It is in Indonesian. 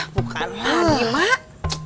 bukan lagi mak